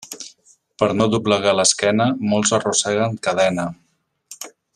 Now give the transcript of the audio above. Per no doblegar l'esquena, molts arrosseguen cadena.